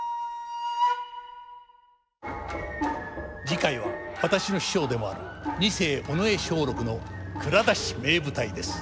次回は私の師匠でもある二世尾上松緑の「蔵出し！名舞台」です。